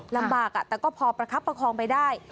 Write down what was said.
ลำบากแต่ก็พอประคับประคองไปได้